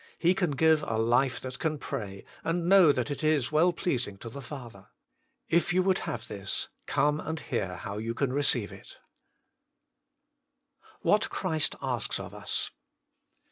He can give a life that can pray, and know that it is well pleasing to the Father. If you would have this, come and hear how you can receive it. WILT THOU BE MADE WHOLE? 99 WHAT CHRIST ASKS OF us.